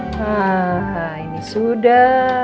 nah ini sudah